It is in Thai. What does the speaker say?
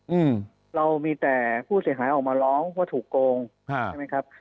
อืมเรามีแต่ผู้เสียหายออกมาร้องว่าถูกโกงฮะใช่ไหมครับ